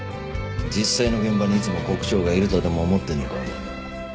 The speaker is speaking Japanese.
実際の現場にいつも国生がいるとでも思ってんのかお前は。